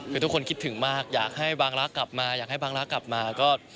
คือทุกคนคิดถึงมากอยากให้บางรักกลับมาอยากให้บางรักกลับมาก็